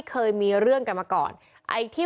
พวกมันต้องกินกันพี่